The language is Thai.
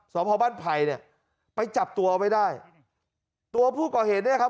สอบพอบ้านไผ่เนี่ยไปจับตัวเอาไว้ได้ตัวผู้ก่อเหตุเนี่ยครับ